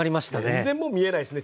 全然もう見えないっすね